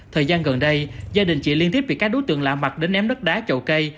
thời gian gần đây gia đình chị liên tiếp bị các đối tượng lạ mặt đến ném đất đá chậu cây